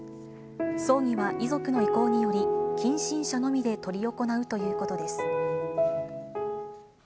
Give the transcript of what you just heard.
葬儀は遺族の意向により、近親者のみで執り行うということです。